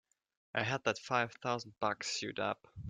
I had that five thousand bucks sewed up!